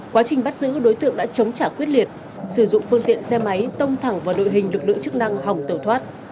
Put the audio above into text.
quá trình bắt giữ đối tượng đã chống trả quyết liệt sử dụng phương tiện xe máy tông thẳng vào đội hình lực lượng chức năng hỏng tẩu thoát